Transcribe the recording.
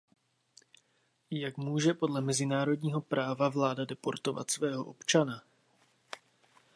Jak může podle mezinárodního práva vláda deportovat svého občana?